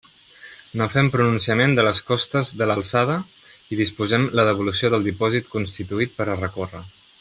No fem pronunciament de les costes de l'alçada i disposem la devolució del dipòsit constituït per a recórrer.